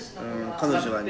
彼女はね。